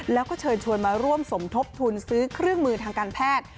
แล้วก็เชิญชวนมาร่วมสมทบทุนซื้อเครื่องมือทางการแพทย์